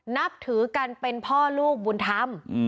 นับถือกันเป็นพ่อลูกบุญธรรม